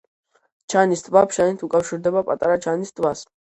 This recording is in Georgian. ჩანის ტბა ფშანით უკავშირდება პატარა ჩანის ტბას.